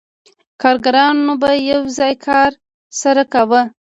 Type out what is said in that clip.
کارګرانو به یو ځای کار سره کاوه